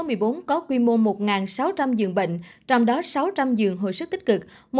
bệnh viện giá chiến ba tầng số một mươi bốn có quy mô một sáu trăm linh dường bệnh trong đó sáu trăm linh dường hồi sức tích cực